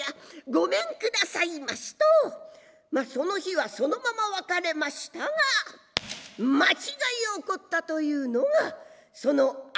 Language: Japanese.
「ごめんくださいまし」とまあその日はそのまま別れましたが間違い起こったというのがその明くる日でございました。